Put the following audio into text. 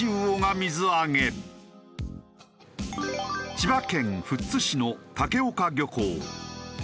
千葉県富津市の竹岡漁港。